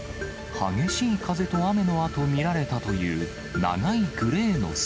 激しい風と雨のあと見られたという長いグレーの筋。